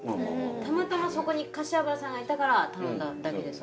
たまたまそこに柏原さんがいたから頼んだだけでさ。